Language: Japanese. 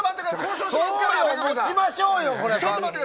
送料は持ちましょうよ。